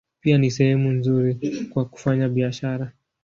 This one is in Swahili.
Pia ni sehemu nzuri kwa kufanya biashara.